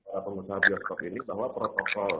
para pengusaha bioskop ini bahwa protokol